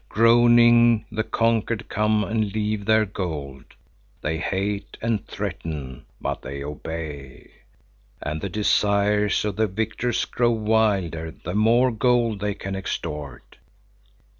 Groaning the conquered come and leave their gold. They hate and threaten, but they obey. And the desires of the victors grow wilder the more gold they can extort.